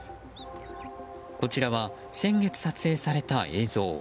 こちらは先月撮影された映像。